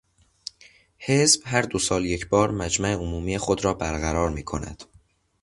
حزب هر دو سال یکبار مجمع عمومی خود را بر قرار میکند.